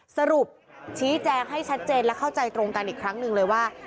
สรุปชี้แจงให้ชัดเจนและเข้าใจตรงกันอีกครั้งหนึ่งเลยว่า